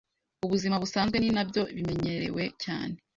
ubuzima busanzwe ni na byo bimenyerewe cyane,